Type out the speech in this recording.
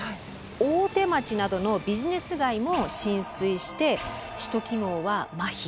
大手町などのビジネス街も浸水して首都機能はまひ。